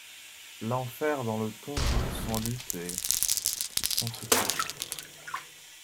L’enfer dans le-tombeau sans lutte et ; sans secousse.